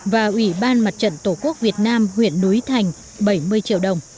và ủy ban mặt trận tổ quốc việt nam huyện núi thành bảy mươi triệu đồng